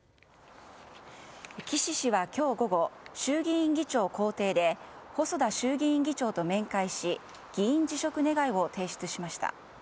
岸氏は今日午後衆議院議長公邸で細田衆議院議長と面会し議員辞職願を提出しました。